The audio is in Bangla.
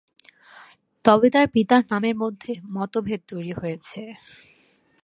তবে তার পিতার নামের মধ্যে মতভেদ তৈরি হয়েছে।